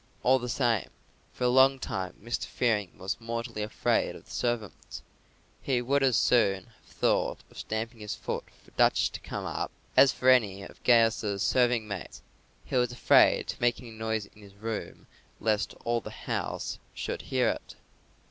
All the same, for a long time Mr. Fearing was mortally afraid of the servants. He would as soon have thought of stamping his foot for a duchess to come up as for any of Gaius's serving maids. He was afraid to make any noise in his room lest all the house should hear it.